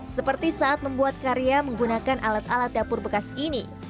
seperti saat membuat karya menggunakan alat alat dapur bekas ini